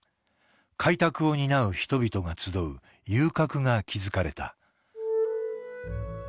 開拓を担う人々が集う遊郭が築かれた。